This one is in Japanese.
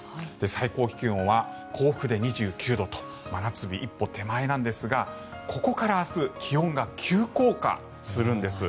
最高気温は甲府で２９度と真夏日一歩手前なんですがここから明日気温が急降下するんです。